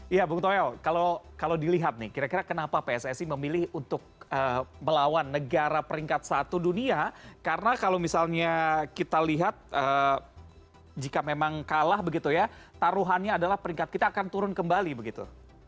iya bung toel kalau dilihat nih kira kira kenapa pssi memilih untuk melawan negara peringkat satu dunia karena kalau misalnya kita lihat jika memang kalah begitu ya taruhannya adalah peringkat kita akan turun kembali begitu